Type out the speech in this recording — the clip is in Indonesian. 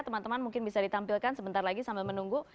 teman teman mungkin bisa ditampilkan sebentar lagi sambil menunggu